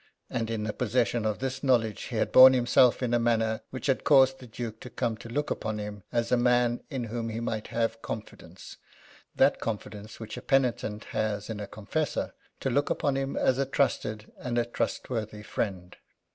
And, in the possession of this knowledge, he had borne himself in a manner which had caused the Duke to come to look upon him as a man in whom he might have confidence that confidence which a penitent has in a confessor to look upon him as a trusted and a trustworthy friend.